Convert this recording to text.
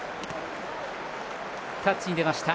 タッチに出ました。